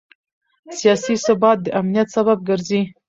سیاسي ثبات د امنیت سبب ګرځي